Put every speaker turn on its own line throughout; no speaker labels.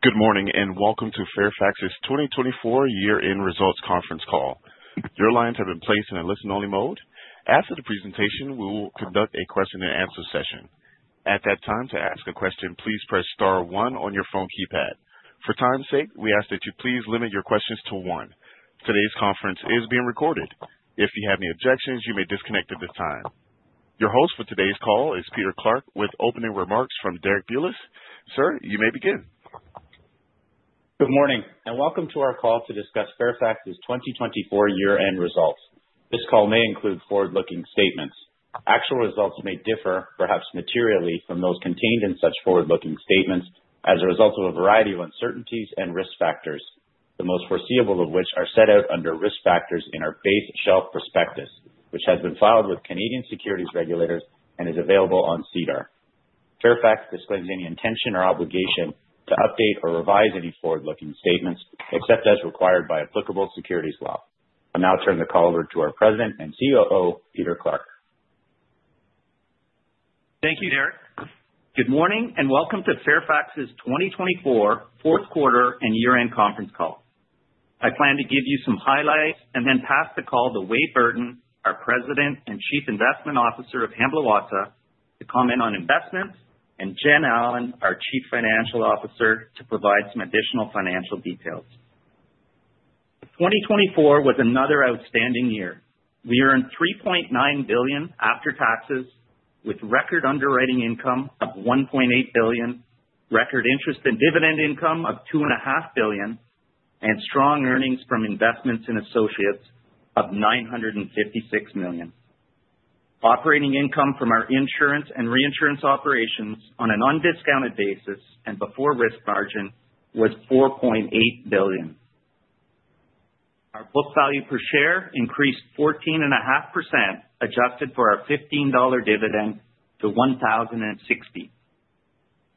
Good morning and welcome to Fairfax's 2024 Year-End Results Conference call. Your lines have been placed in a listen-only mode. After the presentation, we will conduct a question-and-answer session. At that time, to ask a question, please press star one on your phone keypad. For time's sake, we ask that you please limit your questions to one. Today's conference is being recorded. If you have any objections, you may disconnect at this time. Your host for today's call is Peter Clarke with opening remarks from Derek Bulas. Sir, you may begin.
Good morning and welcome to our call to discuss Fairfax's 2024 year-end results. This call may include forward-looking statements. Actual results may differ, perhaps materially, from those contained in such forward-looking statements as a result of a variety of uncertainties and risk factors, the most foreseeable of which are set out under risk factors in our base shelf prospectus, which has been filed with Canadian securities regulators and is available on SEDAR. Fairfax disclaims any intention or obligation to update or revise any forward-looking statements except as required by applicable securities law. I'll now turn the call over to our President and COO, Peter Clarke.
Thank you, Derek. Good morning and welcome to Fairfax's 2024 fourth quarter and year-end conference call. I plan to give you some highlights and then pass the call to Wade Burton, our President and Chief Investment Officer of Hamblin Watsa, to comment on investments, and Jen Allen, our Chief Financial Officer, to provide some additional financial details. 2024 was another outstanding year. We earned $3.9 billion after taxes, with record underwriting income of $1.8 billion, record interest and dividend income of $2.5 billion, and strong earnings from investments and associates of $956 million. Operating income from our insurance and reinsurance operations on an undiscounted basis and before risk margin was $4.8 billion. Our book value per share increased 14.5%, adjusted for our $15 dividend, to $1,060.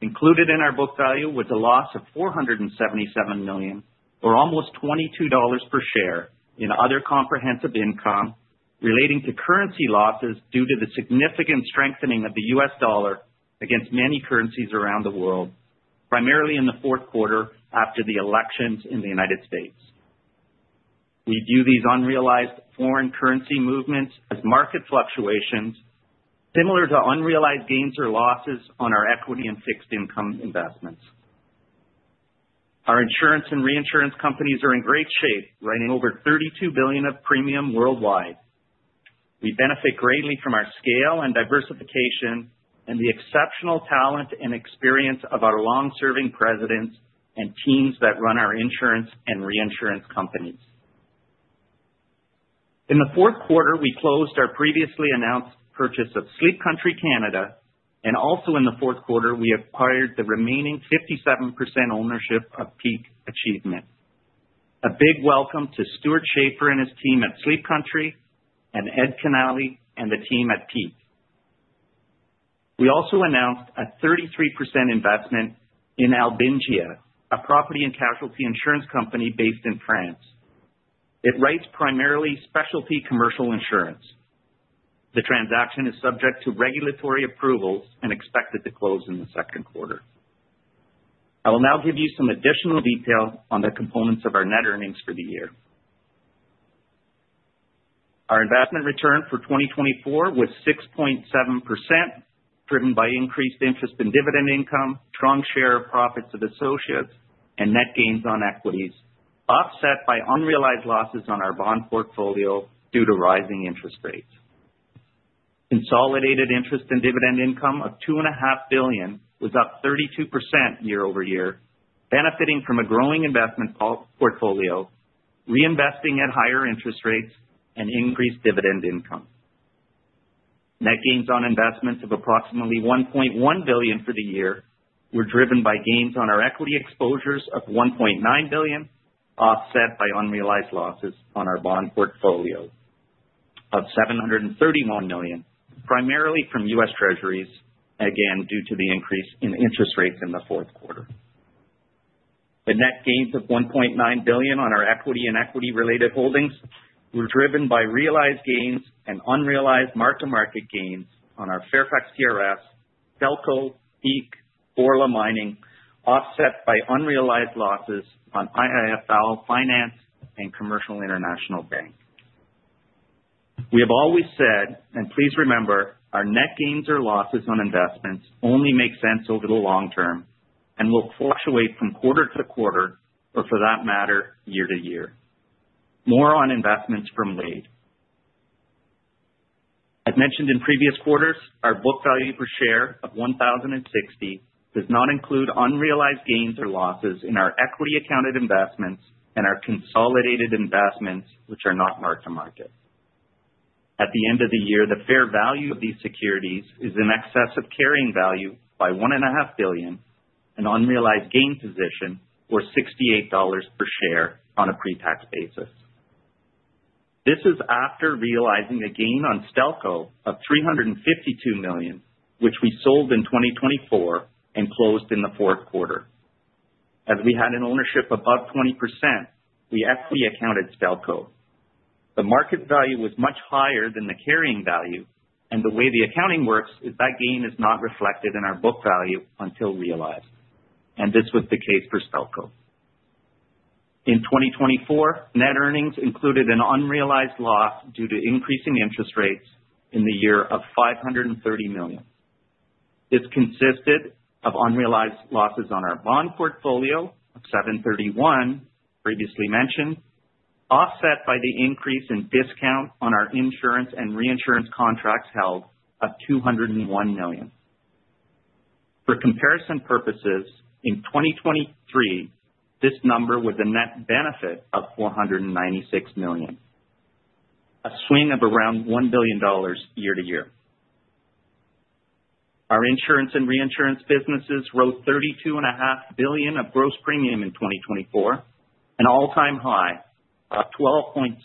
Included in our book value was a loss of $477 million, or almost $22 per share, in other comprehensive income relating to currency losses due to the significant strengthening of the U.S. dollar against many currencies around the world, primarily in the fourth quarter after the elections in the United States. We view these unrealized foreign currency movements as market fluctuations, similar to unrealized gains or losses on our equity and fixed income investments. Our insurance and reinsurance companies are in great shape, writing over $32 billion of premium worldwide. We benefit greatly from our scale and diversification and the exceptional talent and experience of our long-serving presidents and teams that run our insurance and reinsurance companies. In the fourth quarter, we closed our previously announced purchase of Sleep Country Canada, and also in the fourth quarter, we acquired the remaining 57% ownership of Peak Achievement. A big welcome to Stewart Schaefer and his team at Sleep Country, and Ed Kinnaly and the team at Peak. We also announced a 33% investment in Albingia, a property and casualty insurance company based in France. It writes primarily specialty commercial insurance. The transaction is subject to regulatory approvals and expected to close in the second quarter. I will now give you some additional detail on the components of our net earnings for the year. Our investment return for 2024 was 6.7%, driven by increased interest and dividend income, strong share of profits of associates, and net gains on equities, offset by unrealized losses on our bond portfolio due to rising interest rates. Consolidated interest and dividend income of $2.5 billion was up 32% year-over-year, benefiting from a growing investment portfolio, reinvesting at higher interest rates and increased dividend income. Net gains on investments of approximately $1.1 billion for the year were driven by gains on our equity exposures of $1.9 billion, offset by unrealized losses on our bond portfolio of $731 million, primarily from U.S. Treasuries, again due to the increase in interest rates in the fourth quarter. The net gains of $1.9 billion on our equity and equity-related holdings were driven by realized gains and unrealized mark-to-market gains on our Fairfax TRS, Stelco, Peak, Orla Mining, offset by unrealized losses on IIFL Finance and Commercial International Bank. We have always said, and please remember, our net gains or losses on investments only make sense over the long term and will fluctuate from quarter to quarter, or for that matter, year-to-year. More on investments from Wade. As mentioned in previous quarters, our book value per share of 1,060 does not include unrealized gains or losses in our equity-accounted investments and our consolidated investments, which are not mark-to-market. At the end of the year, the fair value of these securities is in excess of carrying value by 1.5 billion, an unrealized gain position worth 68 dollars per share on a pre-tax basis. This is after realizing a gain on Stelco of 352 million, which we sold in 2024 and closed in the fourth quarter. As we had an ownership above 20%, we equity-accounted Stelco. The market value was much higher than the carrying value, and the way the accounting works is that gain is not reflected in our book value until realized, and this was the case for Stelco. In 2024, net earnings included an unrealized loss due to increasing interest rates in the year of 530 million. This consisted of unrealized losses on our bond portfolio of $731, previously mentioned, offset by the increase in discount on our insurance and reinsurance contracts held of $201 million. For comparison purposes, in 2023, this number was a net benefit of $496 million, a swing of around $1 billion year-to-year. Our insurance and reinsurance businesses wrote $32.5 billion of gross premium in 2024, an all-time high of 12.6%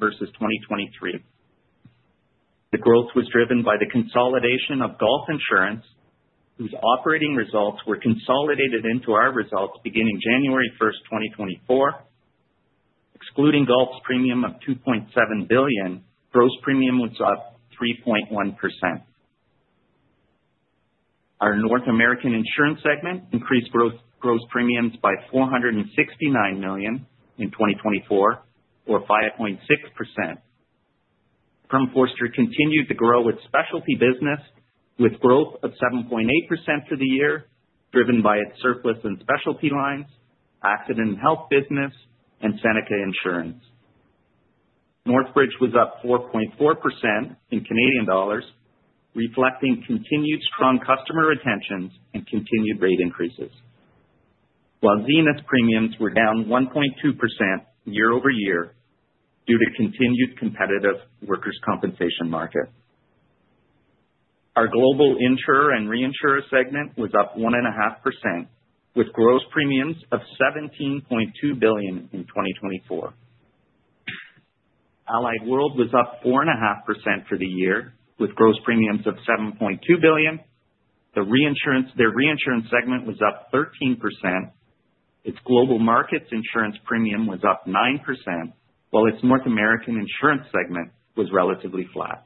versus 2023. The growth was driven by the consolidation of Gulf Insurance, whose operating results were consolidated into our results beginning January 1, 2024. Excluding Gulf's premium of $2.7 billion, gross premium was up 3.1%. Our North American insurance segment increased gross premiums by $469 million in 2024, or 5.6%. Crum & Forster continued to grow its specialty business, with growth of 7.8% for the year, driven by its surplus and specialty lines, accident and health business, and Seneca Insurance. Northbridge was up 4.4% in Canadian dollars, reflecting continued strong customer retention and continued rate increases, while Zenith premiums were down 1.2% year-over-year due to continued competitive workers' compensation market. Our global insurer and reinsurer segment was up 1.5%, with gross premiums of $17.2 billion in 2024. Allied World was up 4.5% for the year, with gross premiums of $7.2 billion. Their reinsurance segment was up 13%. Its global markets insurance premium was up 9%, while its North American insurance segment was relatively flat.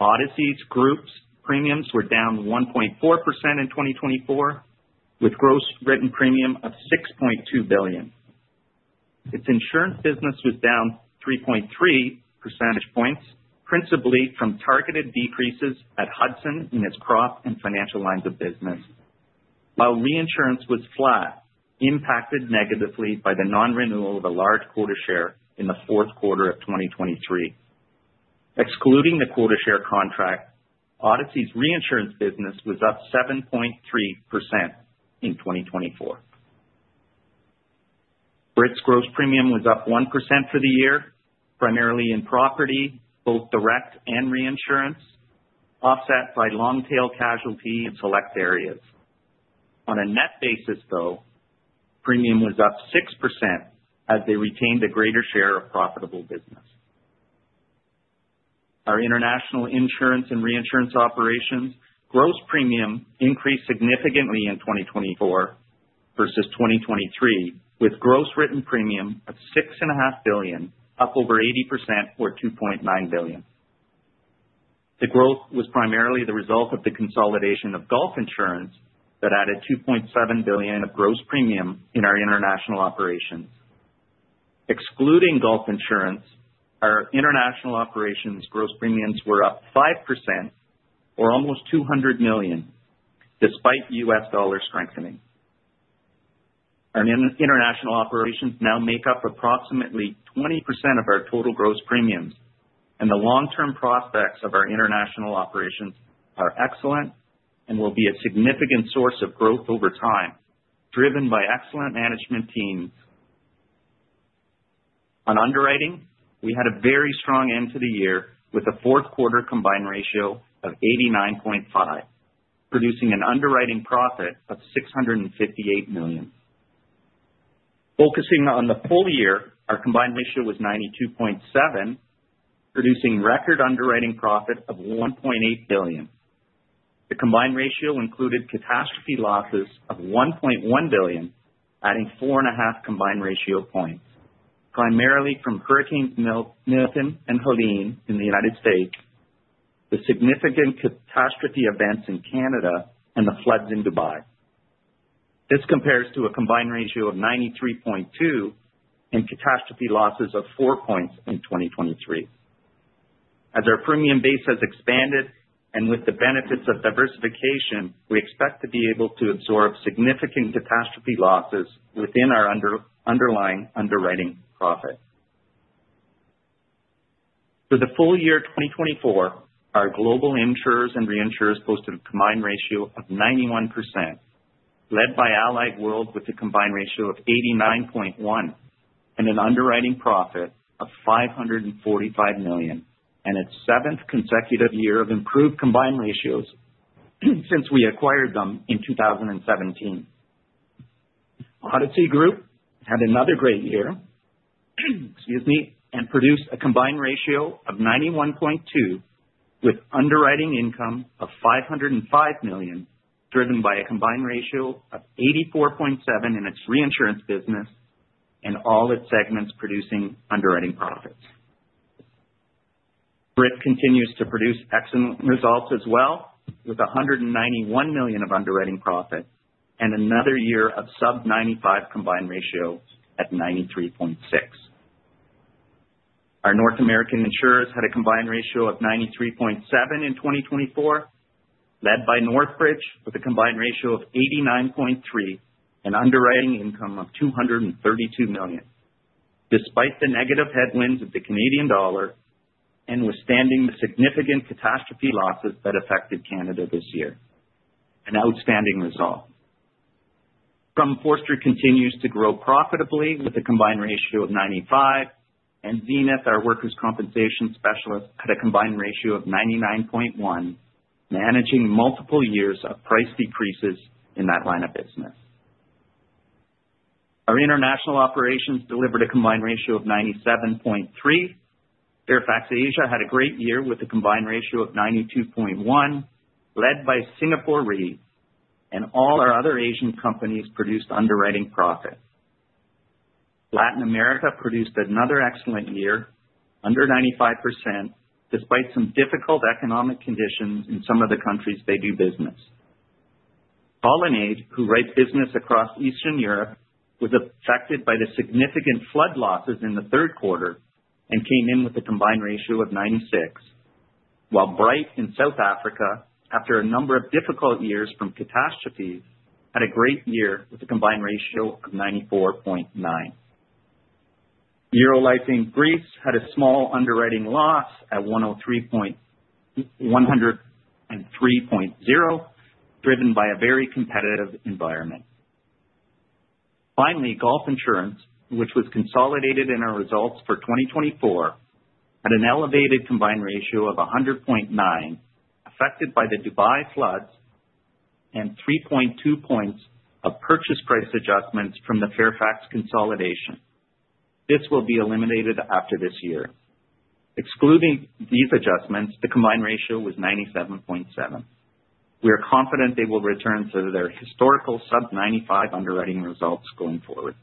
Odyssey Group's premiums were down 1.4% in 2024, with gross written premium of $6.2 billion. Its insurance business was down 3.3 percentage points, principally from targeted decreases at Hudson in its crop and financial lines of business, while reinsurance was flat, impacted negatively by the non-renewal of a large quota share in the fourth quarter of 2023. Excluding the quota share contract, Odyssey's reinsurance business was up 7.3% in 2024. Brit's gross premium was up 1% for the year, primarily in property, both direct and reinsurance, offset by long-tail casualty in select areas. On a net basis, though, premium was up 6% as they retained a greater share of profitable business. Our international insurance and reinsurance operations' gross premium increased significantly in 2024 versus 2023, with gross written premium of $6.5 billion, up over 80%, or $2.9 billion. The growth was primarily the result of the consolidation of Gulf Insurance that added $2.7 billion of gross premium in our international operations. Excluding Gulf Insurance, our international operations' gross premiums were up 5%, or almost $200 million, despite U.S. dollar strengthening. Our international operations now make up approximately 20% of our total gross premiums, and the long-term prospects of our international operations are excellent and will be a significant source of growth over time, driven by excellent management teams. On underwriting, we had a very strong end to the year with a fourth quarter combined ratio of 89.5, producing an underwriting profit of $658 million. Focusing on the full year, our combined ratio was 92.7, producing record underwriting profit of $1.8 billion. The combined ratio included catastrophe losses of $1.1 billion, adding 4.5 combined ratio points, primarily from Hurricanes Milton and Helene in the United States, the significant catastrophe events in Canada, and the floods in Dubai. This compares to a combined ratio of 93.2 and catastrophe losses of 4 points in 2023. As our premium base has expanded and with the benefits of diversification, we expect to be able to absorb significant catastrophe losses within our underlying underwriting profit. For the full year 2024, our global insurers and reinsurers posted a combined ratio of 91%, led by Allied World with a combined ratio of 89.1 and an underwriting profit of $545 million, and its seventh consecutive year of improved combined ratios since we acquired them in 2017. Odyssey Group had another great year and produced a combined ratio of 91.2, with underwriting income of $505 million, driven by a combined ratio of 84.7 in its reinsurance business and all its segments producing underwriting profits. Brit continues to produce excellent results as well, with $191 million of underwriting profit and another year of sub-95 combined ratio at 93.6. Our North American insurers had a combined ratio of 93.7 in 2024, led by Northbridge with a combined ratio of 89.3 and underwriting income of 232 million, despite the negative headwinds of the Canadian dollar and withstanding the significant catastrophe losses that affected Canada this year. An outstanding result. Crum & Forster continues to grow profitably with a combined ratio of 95, and Zenith, our workers' compensation specialist, had a combined ratio of 99.1, managing multiple years of price decreases in that line of business. Our international operations delivered a combined ratio of 97.3. Fairfax Asia had a great year with a combined ratio of 92.1, led by Singapore Re, and all our other Asian companies produced underwriting profits. Latin America produced another excellent year, under 95%, despite some difficult economic conditions in some of the countries they do business. Colonnade, who writes business across Eastern Europe, was affected by the significant flood losses in the third quarter and came in with a combined ratio of 96, while Bryte in South Africa, after a number of difficult years from catastrophes, had a great year with a combined ratio of 94.9. Eurolife Greece had a small underwriting loss at 103.0, driven by a very competitive environment. Finally, Gulf Insurance, which was consolidated in our results for 2024, had an elevated combined ratio of 100.9, affected by the Dubai floods and 3.2 points of purchase price adjustments from the Fairfax consolidation. This will be eliminated after this year. Excluding these adjustments, the combined ratio was 97.7. We are confident they will return to their historical sub-95 underwriting results going forward.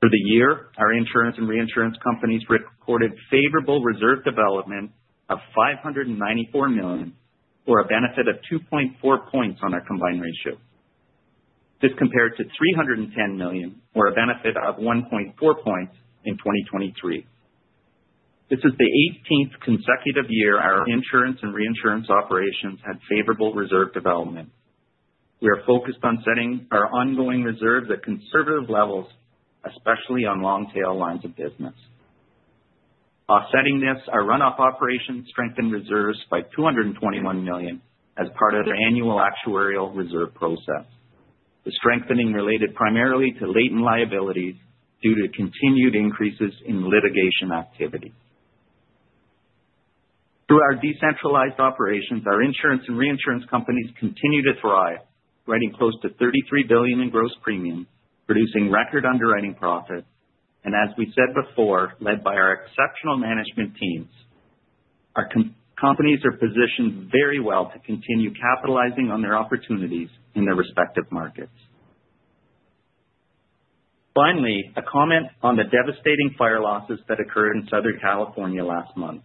For the year, our insurance and reinsurance companies reported favorable reserve development of $594 million, or a benefit of 2.4 points on our combined ratio. This compared to $310 million, or a benefit of 1.4 points in 2023. This is the 18th consecutive year our insurance and reinsurance operations had favorable reserve development. We are focused on setting our ongoing reserves at conservative levels, especially on long-tail lines of business. Offsetting this, our runoff operations strengthened reserves by $221 million as part of their annual actuarial reserve process. The strengthening related primarily to latent liabilities due to continued increases in litigation activity. Through our decentralized operations, our insurance and reinsurance companies continue to thrive, writing close to $33 billion in gross premium, producing record underwriting profit, and as we said before, led by our exceptional management teams. Our companies are positioned very well to continue capitalizing on their opportunities in their respective markets. Finally, a comment on the devastating fire losses that occurred in Southern California last month.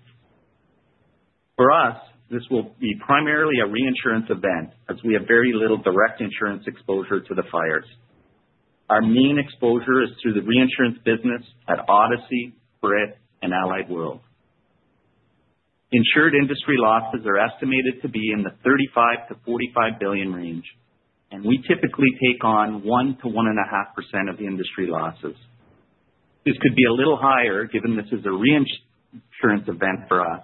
For us, this will be primarily a reinsurance event, as we have very little direct insurance exposure to the fires. Our main exposure is to the reinsurance business at Odyssey, Brit, and Allied World. Insured industry losses are estimated to be in the $35 billion-$45 billion range, and we typically take on 1%-1.5% of the industry losses. This could be a little higher given this is a reinsurance event for us,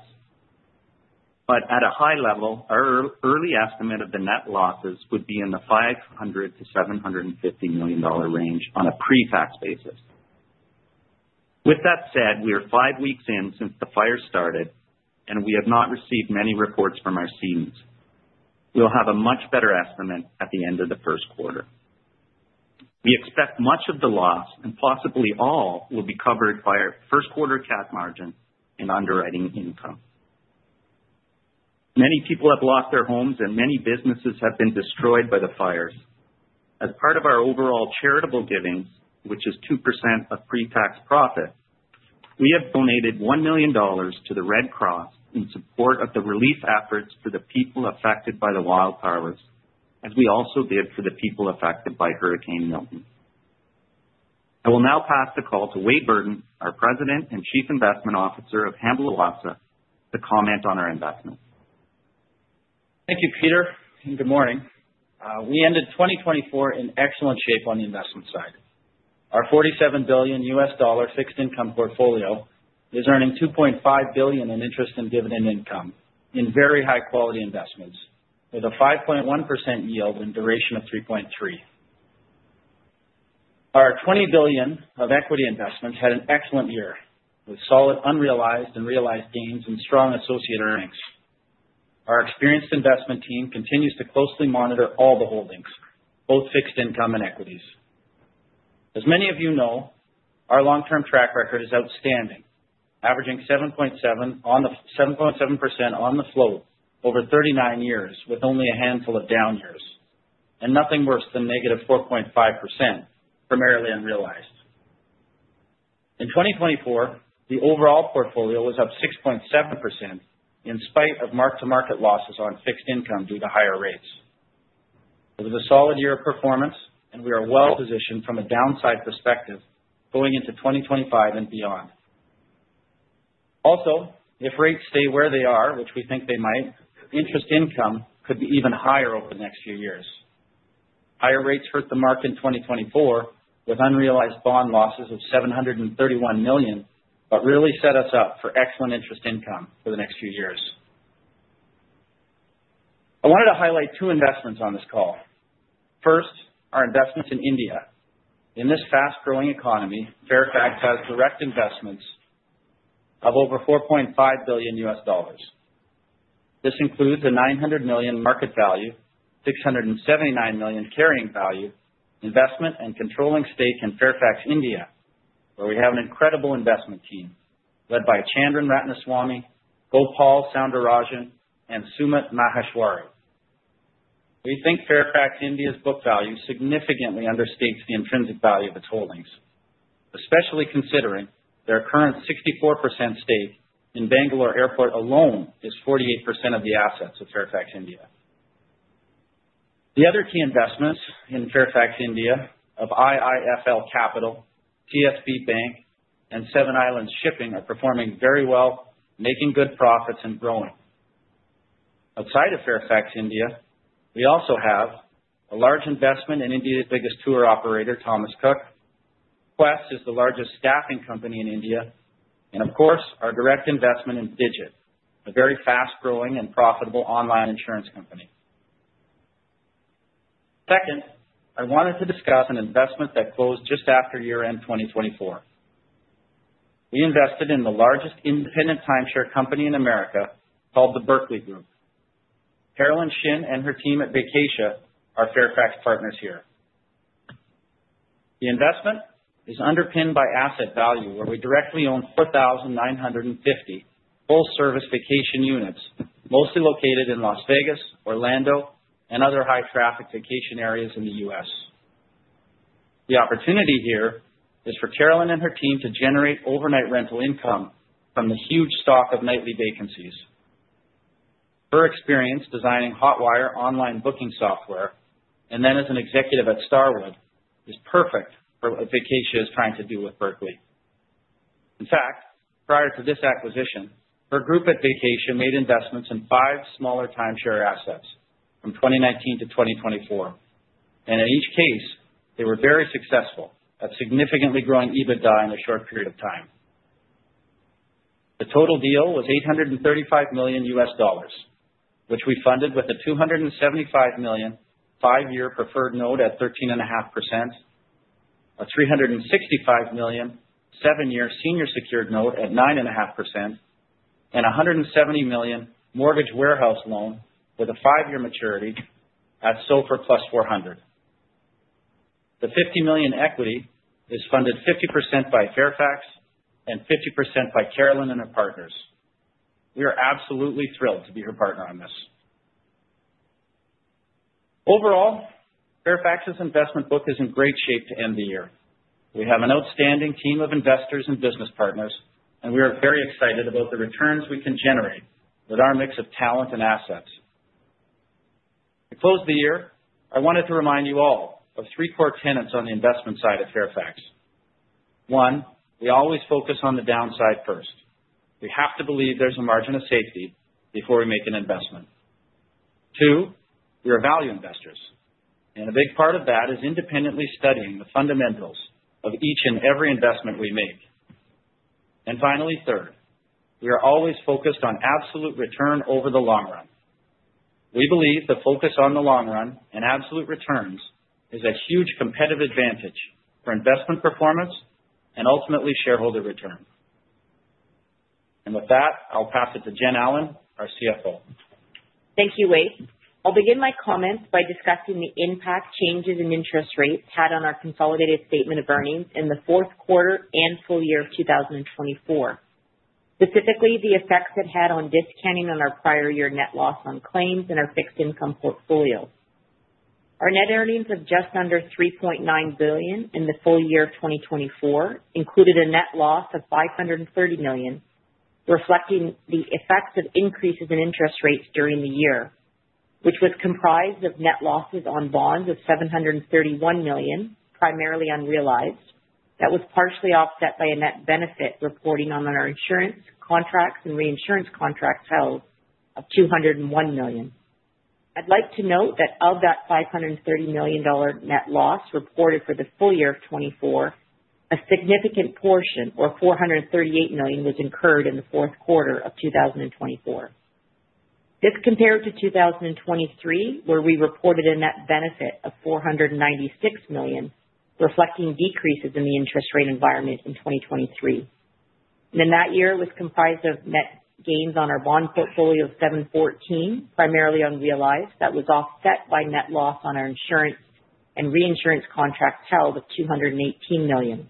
but at a high level, our early estimate of the net losses would be in the $500 million-$750 million range on a pre-tax basis. With that said, we are five weeks in since the fire started, and we have not received many reports from our cedents. We'll have a much better estimate at the end of the first quarter. We expect much of the loss, and possibly all, will be covered by our first quarter cat margin and underwriting income. Many people have lost their homes, and many businesses have been destroyed by the fires. As part of our overall charitable givings, which is 2% of pre-tax profits, we have donated $1 million to the Red Cross in support of the relief efforts for the people affected by the wildfires, as we also did for the people affected by Hurricane Milton. I will now pass the call to Wade Burton, our President and Chief Investment Officer of Hamblin Watsa, to comment on our investments.
Thank you, Peter. And good morning. We ended 2024 in excellent shape on the investment side. Our $47 billion U.S. dollar fixed income portfolio is earning $2.5 billion in interest and dividend income in very high-quality investments, with a 5.1% yield and duration of 3.3. Our $20 billion of equity investments had an excellent year, with solid unrealized and realized gains and strong associated earnings. Our experienced investment team continues to closely monitor all the holdings, both fixed income and equities. As many of you know, our long-term track record is outstanding, averaging 7.7% on the float over 39 years, with only a handful of down years, and nothing worse than negative 4.5%, primarily unrealized. In 2024, the overall portfolio was up 6.7% in spite of mark-to-market losses on fixed income due to higher rates. It was a solid year of performance, and we are well positioned from a downside perspective going into 2025 and beyond. Also, if rates stay where they are, which we think they might, interest income could be even higher over the next few years. Higher rates hurt the mark in 2024, with unrealized bond losses of $731 million, but really set us up for excellent interest income for the next few years. I wanted to highlight two investments on this call. First, our investments in India. In this fast-growing economy, Fairfax has direct investments of over $4.5 billion U.S. dollars. This includes a $900 million market value, $679 million carrying value, investment, and controlling stake in Fairfax India, where we have an incredible investment team led by Chandran Ratnaswami, Gopal Soundarajan, and Sumit Maheshwari. We think Fairfax India's book value significantly understates the intrinsic value of its holdings, especially considering their current 64% stake in Bangalore Airport alone is 48% of the assets of Fairfax India. The other key investments in Fairfax India of IIFL Finance, CSB Bank, and Seven Islands Shipping are performing very well, making good profits and growing. Outside of Fairfax India, we also have a large investment in India's biggest tour operator, Thomas Cook. Quess is the largest staffing company in India, and of course, our direct investment in Digit, a very fast-growing and profitable online insurance company. Second, I wanted to discuss an investment that closed just after year-end 2024. We invested in the largest independent timeshare company in America called the Berkley Group. Caroline Shin and her team at Vacatia are Fairfax partners here. The investment is underpinned by asset value, where we directly own 4,950 full-service vacation units, mostly located in Las Vegas, Orlando, and other high-traffic vacation areas in the U.S. The opportunity here is for Caroline and her team to generate overnight rental income from the huge stock of nightly vacancies. Her experience designing Hotwire online booking software and then as an executive at Starwood is perfect for what Vacatia is trying to do with Berkley. In fact, prior to this acquisition, her group at Vacatia made investments in five smaller timeshare assets from 2019 to 2024, and in each case, they were very successful at significantly growing EBITDA in a short period of time. The total deal was $835 million, which we funded with a $275 million five-year preferred note at 13.5%, a $365 million seven-year senior secured note at 9.5%, and a $170 million mortgage warehouse loan with a five-year maturity at SOFR Plus 400. The $50 million equity is funded 50% by Fairfax and 50% by Caroline and her partners. We are absolutely thrilled to be her partner on this. Overall, Fairfax's investment book is in great shape to end the year. We have an outstanding team of investors and business partners, and we are very excited about the returns we can generate with our mix of talent and assets. To close the year, I wanted to remind you all of three core tenets on the investment side at Fairfax. One, we always focus on the downside first. We have to believe there's a margin of safety before we make an investment. Two, we are value investors, and a big part of that is independently studying the fundamentals of each and every investment we make. And finally, third, we are always focused on absolute return over the long run. We believe the focus on the long run and absolute returns is a huge competitive advantage for investment performance and ultimately shareholder return. With that, I'll pass it to Jen Allen, our CFO.
Thank you, Wade. I'll begin my comments by discussing the impact changes in interest rates had on our consolidated statement of earnings in the fourth quarter and full year of 2024, specifically the effects it had on discounting on our prior year net loss on claims and our fixed income portfolios. Our net earnings of just under $3.9 billion in the full year of 2024 included a net loss of $530 million, reflecting the effects of increases in interest rates during the year, which was comprised of net losses on bonds of $731 million, primarily unrealized, that was partially offset by a net benefit reporting on our insurance contracts and reinsurance contracts held of $201 million. I'd like to note that of that $530 million net loss reported for the full year of 2024, a significant portion, or $438 million, was incurred in the fourth quarter of 2024. This compared to 2023, where we reported a net benefit of $496 million, reflecting decreases in the interest rate environment in 2023. And that year was comprised of net gains on our bond portfolio of $714, primarily unrealized, that was offset by net loss on our insurance and reinsurance contracts held of $218 million.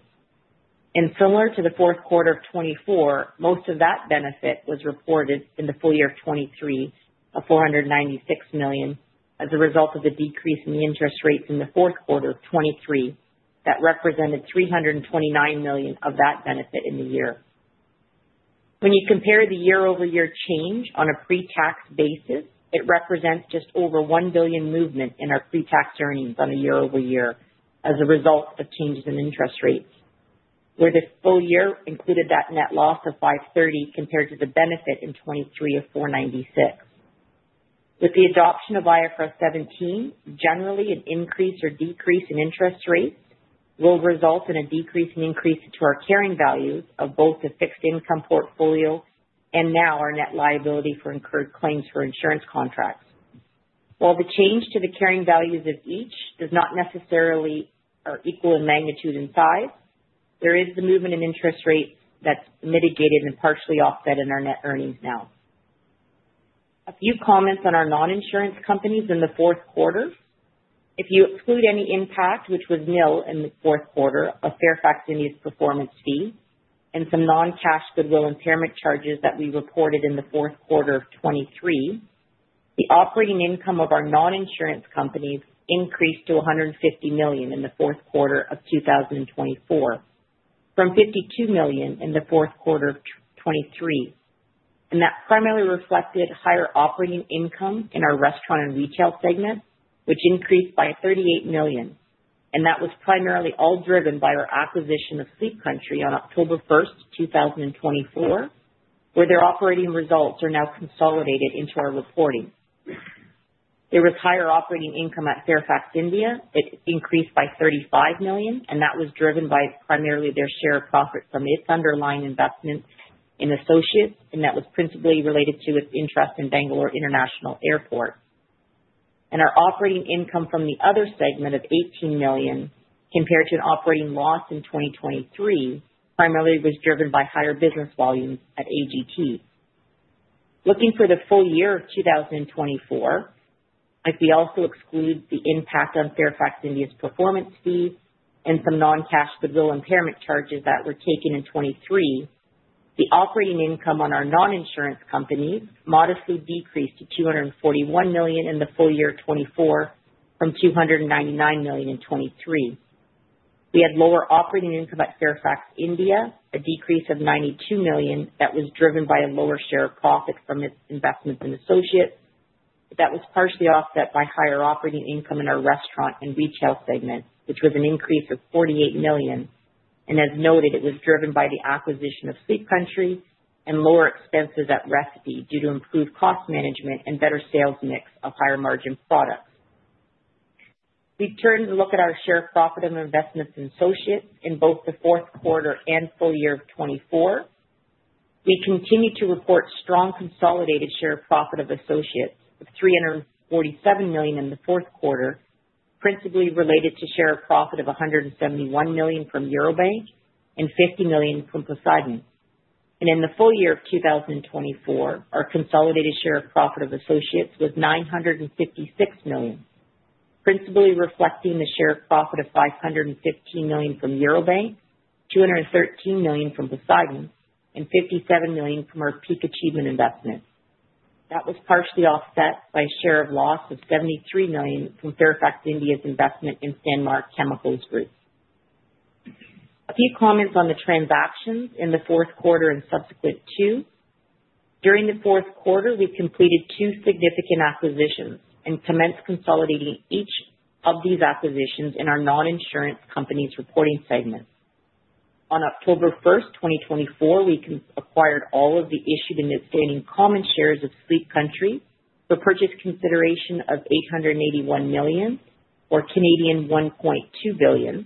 And similar to the fourth quarter of 2024, most of that benefit was reported in the full year of 2023 of $496 million as a result of the decrease in the interest rates in the fourth quarter of 2023 that represented $329 million of that benefit in the year. When you compare the year-over-year change on a pre-tax basis, it represents just over $1 billion movement in our pre-tax earnings on a year-over-year as a result of changes in interest rates, where the full year included that net loss of $530 compared to the benefit in 2023 of $496. With the adoption of IFRS 17, generally, an increase or decrease in interest rates will result in a decrease in increase to our carrying values of both the fixed income portfolio and now our net liability for incurred claims for insurance contracts. While the change to the carrying values of each does not necessarily equal in magnitude and size, there is the movement in interest rates that's mitigated and partially offset in our net earnings now. A few comments on our non-insurance companies in the fourth quarter. If you exclude any impact, which was nil in the fourth quarter of Fairfax India's performance fee and some non-cash goodwill impairment charges that we reported in the fourth quarter of 2023, the operating income of our non-insurance companies increased to 150 million in the fourth quarter of 2024, from 52 million in the fourth quarter of 2023, and that primarily reflected higher operating income in our restaurant and retail segment, which increased by 38 million, and that was primarily all driven by our acquisition of Sleep Country on October 1, 2024, where their operating results are now consolidated into our reporting. There was higher operating income at Fairfax India. It increased by 35 million, and that was driven by primarily their share of profit from its underlying investments in associates, and that was principally related to its interest in Bangalore International Airport. Our operating income from the other segment of $18 million, compared to an operating loss in 2023, primarily was driven by higher business volumes at AGT. Looking for the full year of 2024, if we also exclude the impact on Fairfax India's performance fee and some non-cash goodwill impairment charges that were taken in 2023, the operating income on our non-insurance companies modestly decreased to $241 million in the full year of 2024, from $299 million in 2023. We had lower operating income at Fairfax India, a decrease of $92 million that was driven by a lower share of profit from its investments in associates, but that was partially offset by higher operating income in our restaurant and retail segments, which was an increase of $48 million. As noted, it was driven by the acquisition of Sleep Country and lower expenses at Recipe due to improved cost management and better sales mix of higher-margin products. We turn to look at our share of profit of investments in associates in both the fourth quarter and full year of 2024. We continue to report strong consolidated share of profit of associates of $347 million in the fourth quarter, principally related to share of profit of $171 million from Eurobank and $50 million from Poseidon. In the full year of 2024, our consolidated share of profit of associates was $956 million, principally reflecting the share of profit of $515 million from Eurobank, $213 million from Poseidon, and $57 million from our Peak Achievement investments. That was partially offset by a share of loss of $73 million from Fairfax India's investment in Sanmar Chemicals Group. A few comments on the transactions in the fourth quarter and subsequent thereto. During the fourth quarter, we completed two significant acquisitions and commenced consolidating each of these acquisitions in our non-insurance companies' reporting segments. On October 1, 2024, we acquired all of the issued and outstanding common shares of Sleep Country for purchase consideration of $881 million, or 1.2 billion Canadian dollars,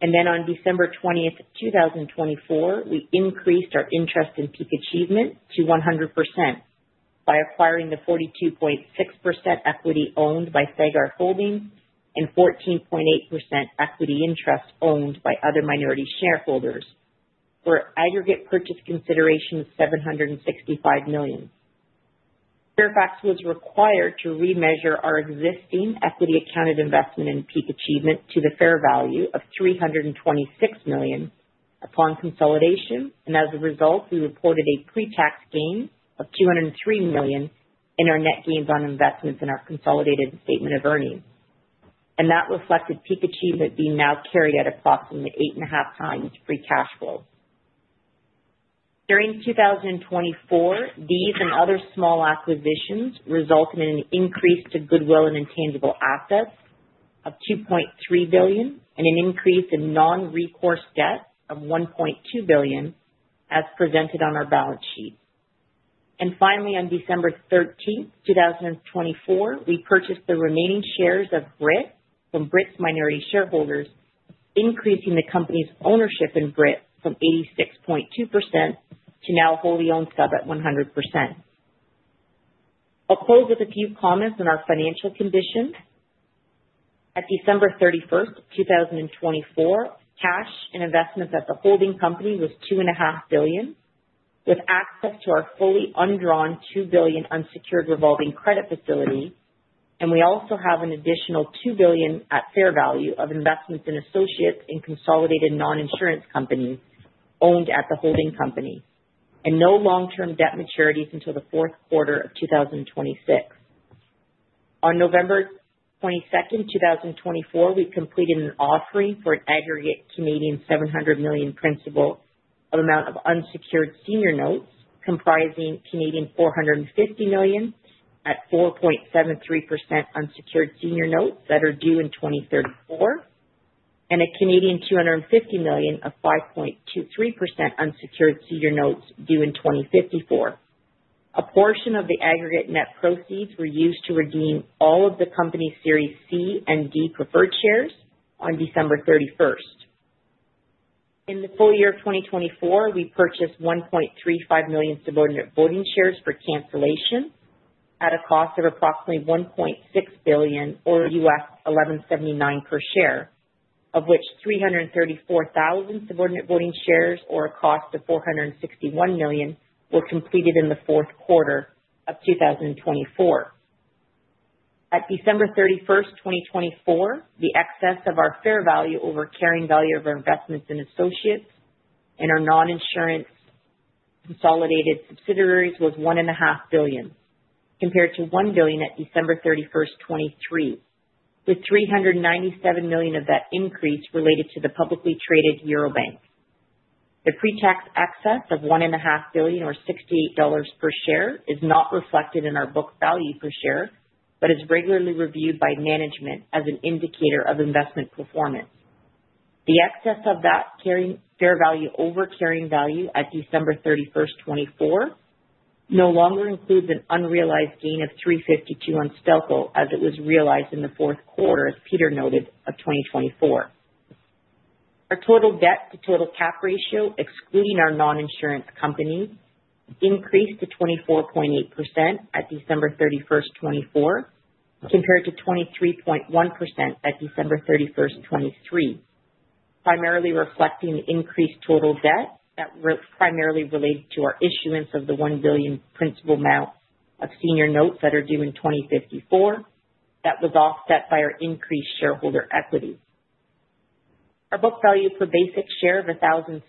and then on December 20, 2024, we increased our interest in Peak Achievement to 100% by acquiring the 42.6% equity owned by Sagard Holdings and 14.8% equity interest owned by other minority shareholders for aggregate purchase consideration of $765 million. Fairfax was required to remeasure our existing equity-accounted investment in Peak Achievement to the fair value of $326 million upon consolidation, and as a result, we reported a pre-tax gain of $203 million in our net gains on investments in our consolidated statement of earnings. And that reflected Peak Achievement being now carried at approximately eight and a half times free cash flow. During 2024, these and other small acquisitions resulted in an increase to goodwill and intangible assets of $2.3 billion and an increase in non-recourse debt of $1.2 billion, as presented on our balance sheet. And finally, on December 13, 2024, we purchased the remaining shares of Brit from Brit's minority shareholders, increasing the company's ownership in Brit from 86.2% to now wholly owned sub at 100%. I'll close with a few comments on our financial conditions. At December 31, 2024, cash and investments at the holding company was $2.5 billion, with access to our fully undrawn $2 billion unsecured revolving credit facility. And we also have an additional 2 billion at fair value of investments in associates and consolidated non-insurance companies owned at the holding company, and no long-term debt maturities until the fourth quarter of 2026. On November 22, 2024, we completed an offering for an aggregate 700 million Canadian dollars principal of amount of unsecured senior notes, comprising 450 million Canadian dollars at 4.73% unsecured senior notes that are due in 2034, and a 250 million Canadian dollars of 5.23% unsecured senior notes due in 2054. A portion of the aggregate net proceeds were used to redeem all of the company's Series C and D preferred shares on December 31. In the full year of 2024, we purchased 1.35 million subordinate voting shares for cancellation at a cost of approximately $1.6 billion, or $1,179 per share, of which 334,000 subordinate voting shares, or a cost of $461 million, were completed in the fourth quarter of 2024. At December 31, 2024, the excess of our fair value over carrying value of our investments in associates and our non-insurance consolidated subsidiaries was $1.5 billion, compared to $1 billion at December 31, 2023, with $397 million of that increase related to the publicly traded Eurobank. The pre-tax excess of $1.5 billion, or $68 per share, is not reflected in our book value per share, but is regularly reviewed by management as an indicator of investment performance. The excess of that carrying fair value over carrying value at December 31, 2024, no longer includes an unrealized gain of $352 on Stelco as it was realized in the fourth quarter, as Peter noted, of 2024. Our total debt to total cap ratio, excluding our non-insurance companies, increased to 24.8% at December 31, 2024, compared to 23.1% at December 31, 2023, primarily reflecting the increased total debt that primarily related to our issuance of the $1 billion principal amount of senior notes that are due in 2054 that was offset by our increased shareholder equity. Our book value per basic share of $1,050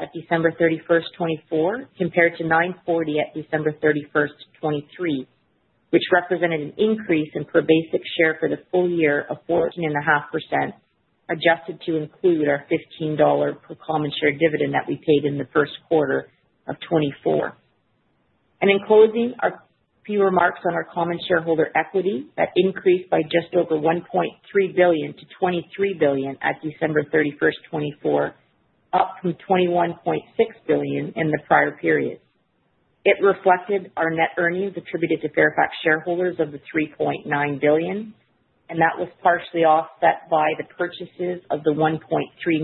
at December 31, 2024, compared to $940 at December 31, 2023, which represented an increase in per basic share for the full year of 14.5%, adjusted to include our $15 per common share dividend that we paid in the first quarter of 2024. And in closing, a few remarks on our common shareholder equity that increased by just over $1.3 billion-$23 billion at December 31, 2024, up from $21.6 billion in the prior period. It reflected our net earnings attributed to Fairfax shareholders of the $3.9 billion, and that was partially offset by the purchases of the 1.3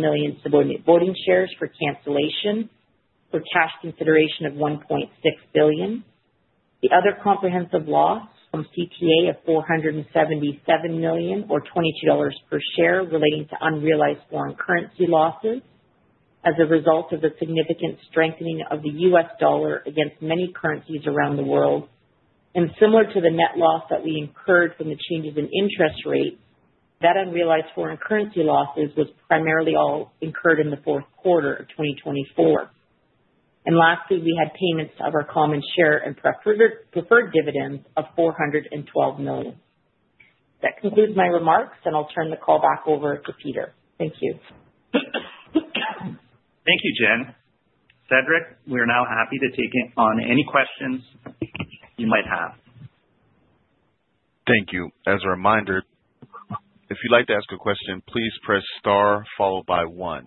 million subordinate voting shares for cancellation for cash consideration of $1.6 billion. The other comprehensive loss from CTA of $477 million, or $22 per share, relating to unrealized foreign currency losses as a result of the significant strengthening of the U.S. dollar against many currencies around the world. And similar to the net loss that we incurred from the changes in interest rates, that unrealized foreign currency losses was primarily all incurred in the fourth quarter of 2024. And lastly, we had payments of our common share and preferred dividends of $412 million. That concludes my remarks, and I'll turn the call back over to Peter. Thank you.
Thank you, Jen. Cedric, we are now happy to take on any questions you might have.
Thank you. As a reminder, if you'd like to ask a question, please press star followed by one.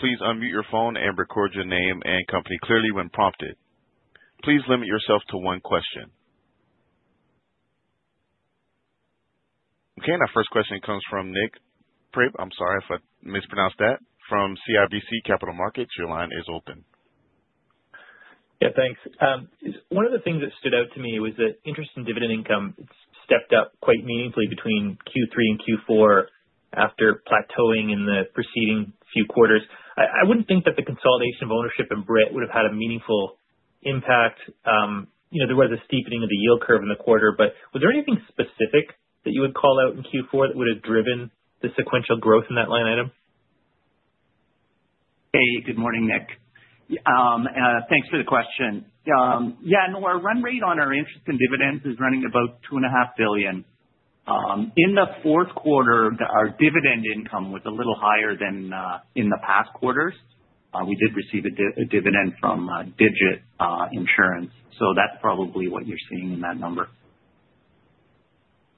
Please unmute your phone and record your name and company clearly when prompted. Please limit yourself to one question. Okay. And our first question comes from Nik Priebe. I'm sorry if I mispronounced that. From CIBC Capital Markets, your line is open.
Yeah, thanks. One of the things that stood out to me was that interest and dividend income stepped up quite meaningfully between Q3 and Q4 after plateauing in the preceding few quarters. I wouldn't think that the consolidation of ownership in Brit would have had a meaningful impact. There was a steepening of the yield curve in the quarter, but was there anything specific that you would call out in Q4 that would have driven the sequential growth in that line item?
Hey, good morning, Nick. Thanks for the question. Yeah, our run rate on our interest and dividends is running about $2.5 billion. In the fourth quarter, our dividend income was a little higher than in the past quarters. We did receive a dividend from Digit Insurance, so that's probably what you're seeing in that number.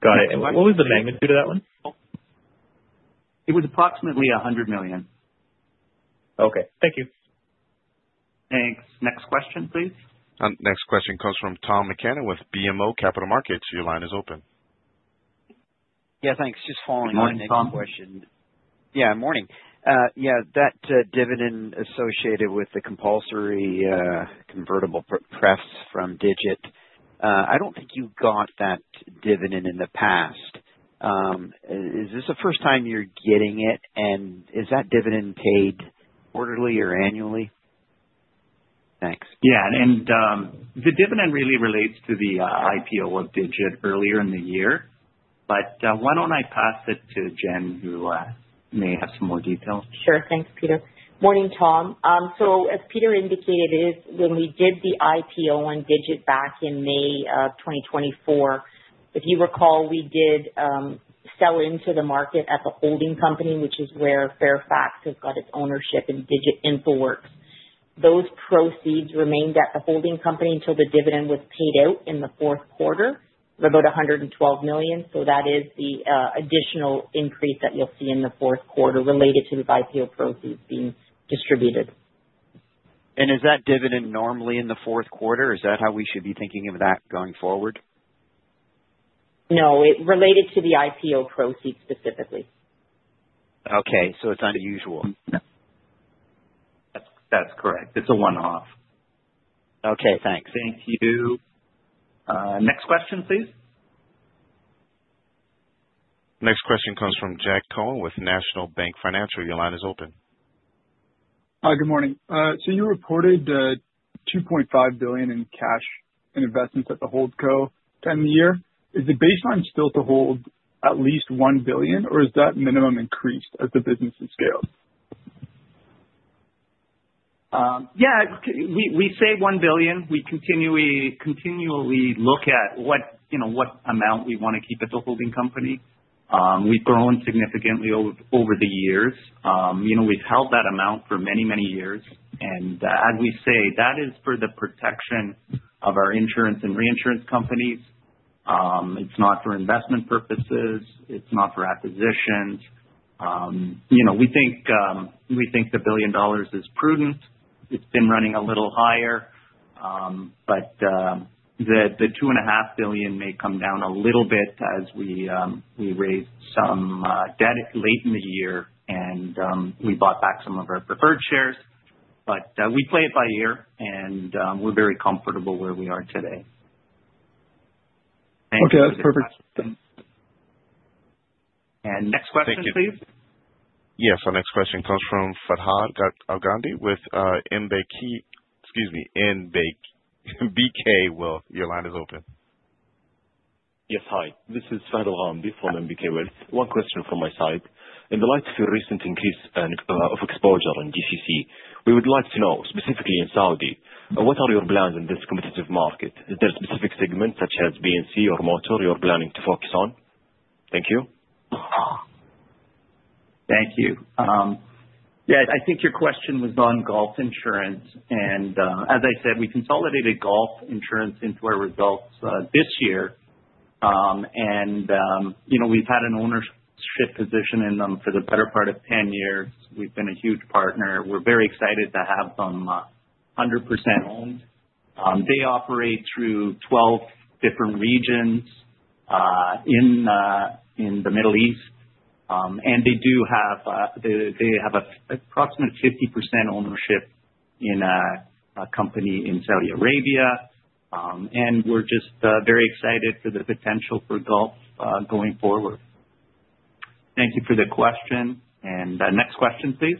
Got it. And what was the magnitude of that one?
It was approximately $100 million.
Okay. Thank you.
Thanks. Next question, please.
Next question comes from Tom MacKinnon with BMO Capital Markets. Your line is open.
Yeah, thanks. Just following on Nick's question.
Morning, Tom.
Yeah, morning. Yeah, that dividend associated with the compulsory convertible prefs from Digit, I don't think you got that dividend in the past. Is this the first time you're getting it, and is that dividend paid quarterly or annually? Thanks.
Yeah, and the dividend really relates to the IPO of Digit earlier in the year, but why don't I pass it to Jen, who may have some more detail?
Sure. Thanks, Peter. Morning, Tom. So as Peter indicated, when we did the IPO on Digit back in May of 2024, if you recall, we did sell into the market at the holding company, which is where Fairfax has got its ownership in Digit Infoworks. Those proceeds remained at the holding company until the dividend was paid out in the fourth quarter of about $112 million. So that is the additional increase that you'll see in the fourth quarter related to the IPO proceeds being distributed.
Is that dividend normally in the fourth quarter? Is that how we should be thinking of that going forward?
No, related to the IPO proceeds specifically.
Okay. So it's unusual. That's correct. It's a one-off. Okay. Thanks.
Thank you. Next question, please.
Next question comes from Jack Cohen with National Bank Financial. Your line is open.
Hi, good morning. So you reported $2.5 billion in cash and investments at the hold co to end the year. Is the baseline still to hold at least $1 billion, or is that minimum increased as the business has scaled?
Yeah. We say $1 billion. We continually look at what amount we want to keep at the holding company. We've grown significantly over the years. We've held that amount for many, many years. And as we say, that is for the protection of our insurance and reinsurance companies. It's not for investment purposes. It's not for acquisitions. We think the billion dollars is prudent. It's been running a little higher, but the $2.5 billion may come down a little bit as we raised some debt late in the year, and we bought back some of our preferred shares. But we play it by ear, and we're very comfortable where we are today. Thank you.
Okay. That's perfect.
Next question, please.
Yes. Our next question comes from Fahad Alghamdi with NBK Wealth. Your line is open.
Yes, hi. This is Fahad Alghamdi from NBK Wealth. One question from my side. In the light of your recent increase of exposure in GCC, we would like to know, specifically in Saudi, what are your plans in this competitive market? Is there a specific segment, such as P&C or Motor, you're planning to focus on? Thank you.
Thank you. Yeah, I think your question was on Gulf Insurance, and as I said, we consolidated Gulf Insurance into our results this year, and we've had an ownership position in them for the better part of 10 years. We've been a huge partner. We're very excited to have them 100% owned. They operate through 12 different regions in the Middle East, and they have approximately 50% ownership in a company in Saudi Arabia, and we're just very excited for the potential for Gulf going forward. Thank you for the question, and next question, please.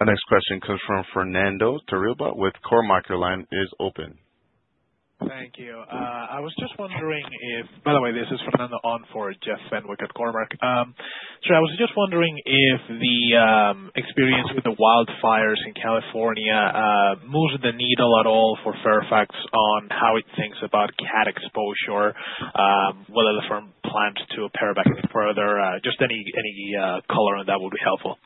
Our next question comes from Fernando Torrealba with Cormark. Your line is open.
Thank you. I was just wondering if, by the way, this is Fernando on for Jeff Fenwick at Cormark. So I was just wondering if the experience with the wildfires in California moves the needle at all for Fairfax on how it thinks about CAT exposure, whether the firm plans to pare back further. Just any color on that would be helpful.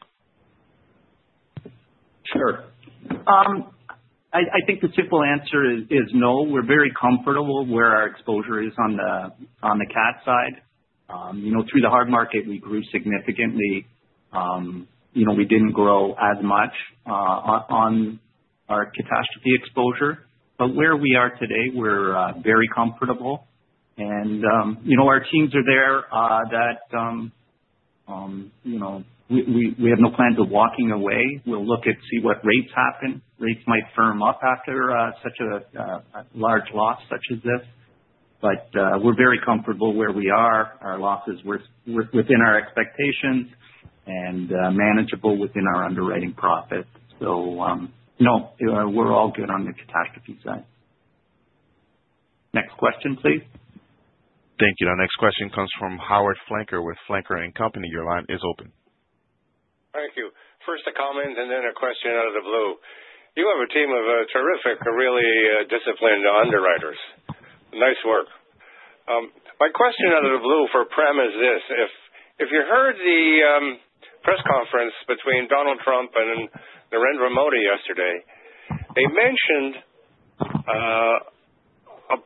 Sure. I think the simple answer is no. We're very comfortable where our exposure is on the CAT side. Through the hard market, we grew significantly. We didn't grow as much on our catastrophe exposure. But where we are today, we're very comfortable, and our teams are there that we have no plans of walking away. We'll look to see what rates happen. Rates might firm up after such a large loss such as this, but we're very comfortable where we are. Our losses were within our expectations and manageable within our underwriting profit, so no, we're all good on the catastrophe side. Next question, please.
Thank you. Our next question comes from Howard Flinker with Flinker & Co. Your line is open.
Thank you. First, a comment, and then a question out of the blue. You have a team of terrific, really disciplined underwriters. Nice work. My question out of the blue for Prem is this: if you heard the press conference between Donald Trump and Narendra Modi yesterday, they mentioned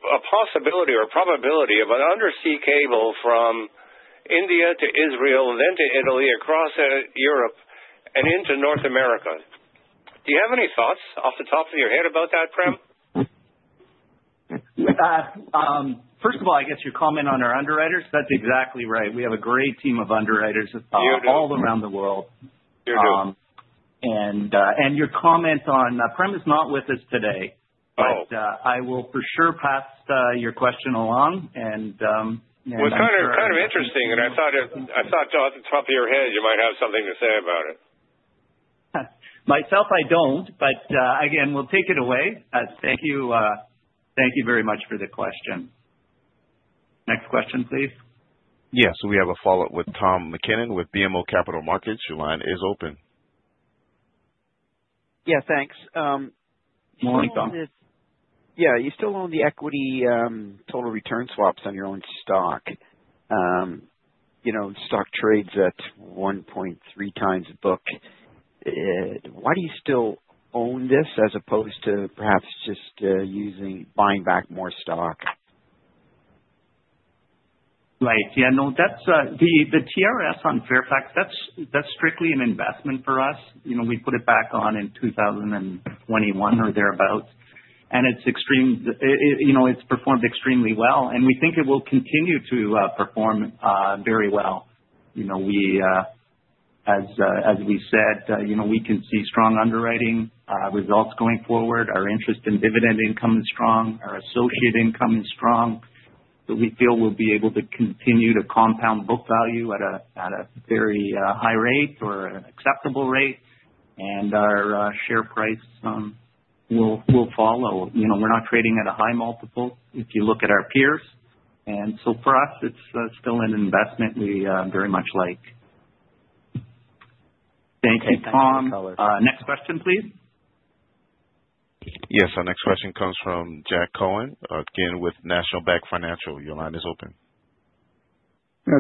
a possibility or probability of an undersea cable from India to Israel, then to Italy, across Europe, and into North America. Do you have any thoughts off the top of your head about that, Prem?
First of all, I guess your comment on our underwriters, that's exactly right. We have a great team of underwriters all around the world.
You do.
Your comment on Prem is not with us today, but I will for sure pass your question along.
It's kind of interesting, and I thought off the top of your head you might have something to say about it.
Myself, I don't, but again, we'll take it away. Thank you very much for the question. Next question, please.
Yes. We have a follow-up with Tom MacKinnon with BMO Capital Markets. Your line is open.
Yeah, thanks.
Morning, Tom.
Yeah. You still own the equity total return swaps on your own stock. Stock trades at 1.3 times book. Why do you still own this as opposed to perhaps just buying back more stock?
Right. Yeah, no, the TRS on Fairfax, that's strictly an investment for us. We put it back on in 2021 or thereabouts, and it's performed extremely well. And we think it will continue to perform very well. As we said, we can see strong underwriting results going forward. Our interest and dividend income is strong. Our associate income is strong. So we feel we'll be able to continue to compound book value at a very high rate or an acceptable rate, and our share price will follow. We're not trading at a high multiple if you look at our peers. And so for us, it's still an investment we very much like. Thank you, Tom. Next question, please.
Yes. Our next question comes from Jack Cohen, again with National Bank Financial. Your line is open.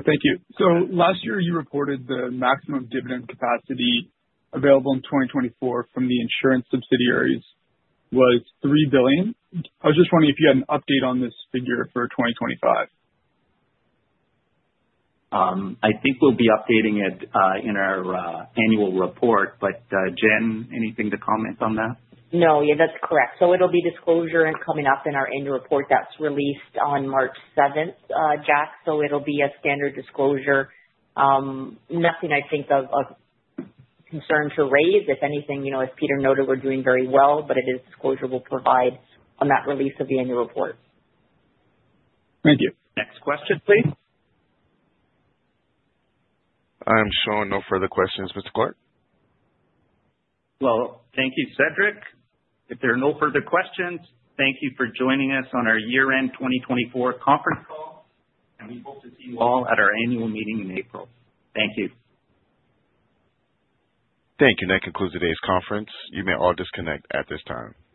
Thank you. So last year, you reported the maximum dividend capacity available in 2024 from the insurance subsidiaries was $3 billion. I was just wondering if you had an update on this figure for 2025?
I think we'll be updating it in our annual report, but Jen, anything to comment on that?
No, yeah, that's correct. So it'll be disclosure coming up in our annual report that's released on March 7th, Jack, so it'll be a standard disclosure. Nothing I think of concern to raise. If anything, as Peter noted, we're doing very well, but a disclosure will provide on that release of the annual report.
Thank you. Next question, please.
I am showing no further questions. Mr. Clarke?
Well, thank you, Cedric. If there are no further questions, thank you for joining us on our year-end 2024 conference call, and we hope to see you all at our annual meeting in April. Thank you.
Thank you. And that concludes today's conference. You may all disconnect at this time.